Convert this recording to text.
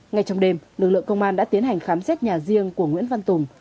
ngay trong đêm lực lượng công an đã tiến hành khám xét nhà riêng của nguyễn văn tùng